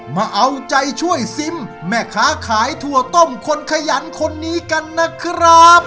มาเอาใจช่วยซิมแม่ค้าขายถั่วต้มคนขยันคนนี้กันนะครับ